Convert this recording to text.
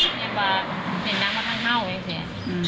เจ้าแน่มว่าเห็นน้ำมันมากเก้าเองสิ